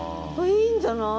いいんじゃない？